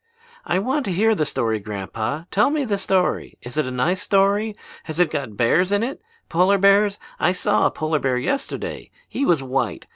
"I want to hear the story, grandpa. Tell me the story. Is it a nice story? Has it got bears in it? Polar bears? I saw a polar bear yesterday. He was white.